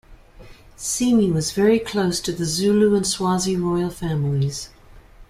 Seme was very close to the Zulu and Swazi royal families.